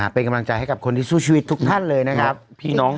เป็นกำลังใจให้กับคนที่สู้ชีวิตทุกท่านเลยนะครับ